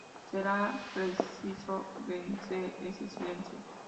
Será preciso vencer ese silencio.